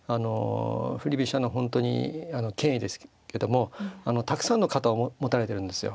振り飛車の本当に権威ですけどもたくさんの型を持たれてるんですよ。